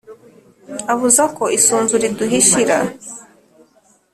Abuza ko isunzu riduhishira!"